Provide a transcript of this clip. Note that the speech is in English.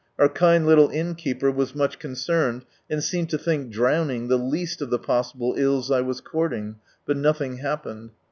Our kind little inn keeper was much concerned, and seemed to think drown ing the least of the possible ills 1 was courting, but nothing happened.